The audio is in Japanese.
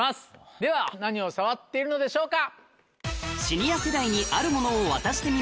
では何を触っているのでしょうか？